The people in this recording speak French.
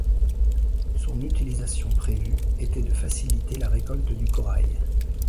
Son utilisation prévue était de faciliter la récolte du corail.